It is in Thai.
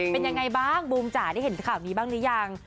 เป็นยังไงบ้างบูมจ๋าได้เห็นข่าวนี้บ้างหรือยัง